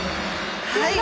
はい。